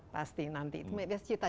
pasti nanti itu biasanya cita cita